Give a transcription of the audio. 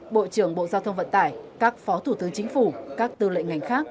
bộ trưởng bộ giao thông vận tải các phó thủ tướng chính phủ các tư lệnh ngành khác